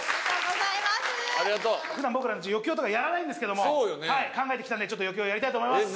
普段僕ら余興とかやらないんですけども考えてきたんでちょっと余興をやりたいと思います。